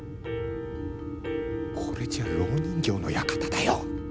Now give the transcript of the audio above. これじゃあろう人形の館だよ。